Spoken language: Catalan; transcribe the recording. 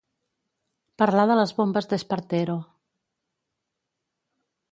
Parlar de les bombes d'Espartero.